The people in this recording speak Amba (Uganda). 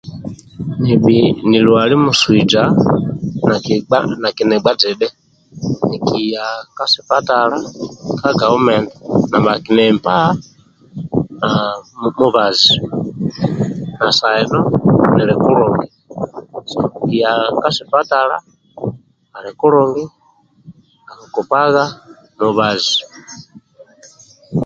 Nilwali muswija nakinig zidhi nikiya ka sipatala sa gavumenti nibhakinipa mubazi na saha eno nili kulungi so kiya ka sipatala ali kulungi bhakukupagha mubazi